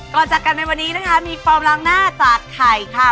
จากกันในวันนี้นะคะมีฟอร์มล้างหน้าจากไข่ค่ะ